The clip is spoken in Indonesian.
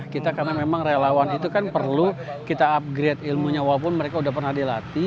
kita karena memang relawan itu kan perlu kita upgrade ilmunya walaupun mereka udah pernah dilatih